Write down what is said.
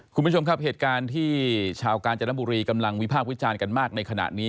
คุณผู้ชมครับเหตุการณ์ที่ชาวกาญจนบุรีกำลังวิพากษ์วิจารณ์กันมากในขณะนี้